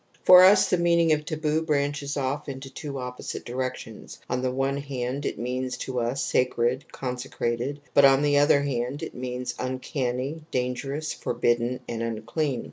For us the meaning of taboo branches off into two opposite directions. On the one hand it means to us sacred, consecrated : but on the other hand it means, uncanny, dangerous, for bidden, and imcleau.